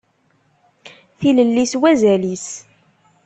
Tilelli s wazal-is.